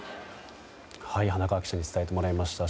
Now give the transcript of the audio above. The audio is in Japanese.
花川記者に伝えてもらいました。